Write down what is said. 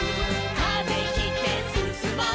「風切ってすすもう」